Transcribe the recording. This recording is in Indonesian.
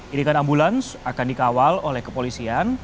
iringan ambulans akan dikawal oleh kepolisian